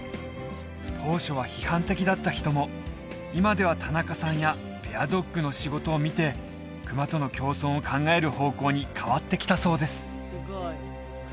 当初は批判的だった人も今では田中さんやベアドッグの仕事を見て熊との共存を考える方向に変わってきたそうです